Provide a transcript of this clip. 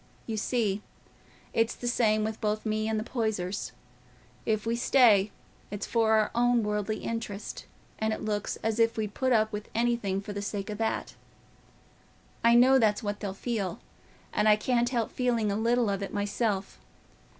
You see, it's the same with both me and the Poysers: if we stay, it's for our own worldly interest, and it looks as if we'd put up with anything for the sake o' that. I know that's what they'll feel, and I can't help feeling a little of it myself.